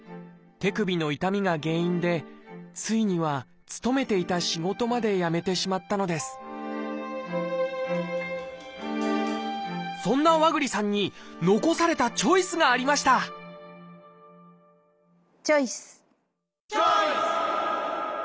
手首の痛みが原因でついには勤めていた仕事まで辞めてしまったのですそんな和栗さんに残されたチョイスがありましたチョイス！